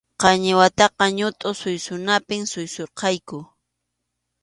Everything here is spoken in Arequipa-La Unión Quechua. Qañiwataqa ñutʼu suysunapi suysurqayku.